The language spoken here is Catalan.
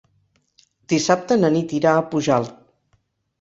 Dissabte na Nit irà a Pujalt.